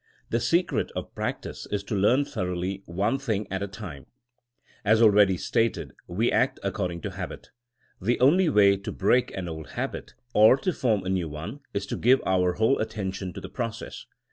The secret of prac tice is to learn thoroughly one thing at a time. 242 THINKINO AS A 80IEN0E As already stated, we act according to habit. The only way to break an old habit or to form a new one is to give our whole attention to the process.